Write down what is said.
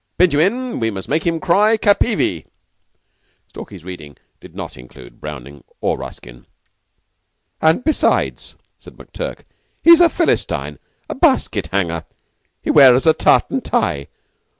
Binjimin, we must make him cry 'Capivi!'" Stalky's reading did not include Browning or Ruskin. "And, besides," said McTurk, "he's a Philistine, a basket hanger. He wears a tartan tie.